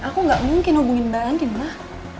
aku gak mungkin hubungin mbak andin lah